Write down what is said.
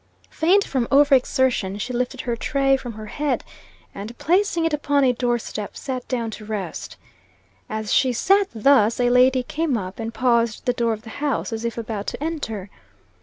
Faint from over exertion, she lifted her tray from her head, and placing it upon a door step, sat down to rest. As she sat thus, a lady came up, and paused at the door of the house, as if about to enter.